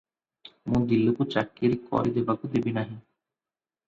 ମୁଁ ଦିଲୁକୁ ଚାକିର କରିବାକୁ ଦେବି ନାହିଁ ।